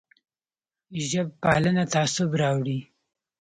ژب پالنه تعصب راوړي